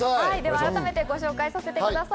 改めてご紹介させてください。